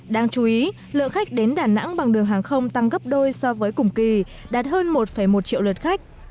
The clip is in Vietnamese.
đáng chú ý lượng khách đến đà nẵng bằng đường hàng không tăng gấp đôi so với cùng kỳ đạt hơn một một triệu lượt khách